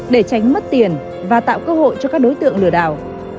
để tránh mất tiền và tạo cơ hội cho các đối tượng lừa đảo